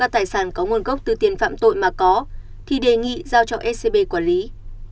tài sản có nguồn gốc từ tiền phạm tội mà có thì đề nghị giao cho scb quản lý